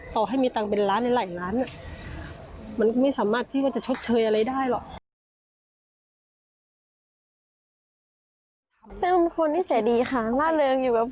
ต่อให้มีตังค์เป็นล้านหรือหลายล้านมันไม่สามารถที่ว่าจะชดเชยอะไรได้หรอก